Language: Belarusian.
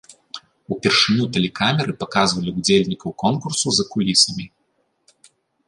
Упершыню тэлекамеры паказвалі ўдзельнікаў конкурсу за кулісамі.